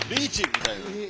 みたいな。